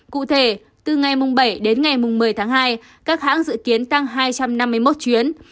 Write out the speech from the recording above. cụ thể từ ngày bảy đến ngày một mươi tháng hai các hãng dự kiến tăng hai trăm năm mươi một chuyến